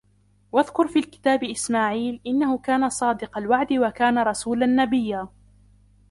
وَاذْكُرْ فِي الْكِتَابِ إِسْمَاعِيلَ إِنَّهُ كَانَ صَادِقَ الْوَعْدِ وَكَانَ رَسُولًا نَبِيًّا